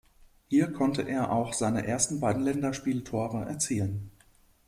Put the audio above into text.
Hier konnte er auch seine ersten beiden Länderspieltore erzielen.